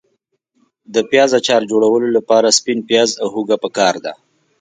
د پیاز اچار جوړولو لپاره سپین پیاز او هوګه پکار دي.